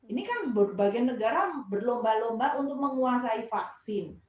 ini kan berbagai negara berlomba lomba untuk menguasai vaksin